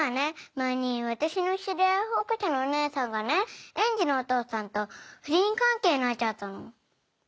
前に私の知り合いの保育士のお姉さんがね園児のお父さんと不倫関係になっちゃったの。